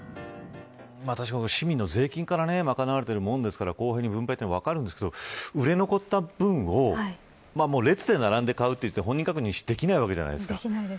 市民の税金から賄われているものですから分かるんですけど売れ残った分を列で並んで買うというか本人確認ができないわけじゃないですか。